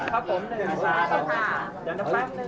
ขอบคุณพี่ด้วยนะครับ